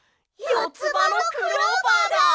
よつばのクローバーです！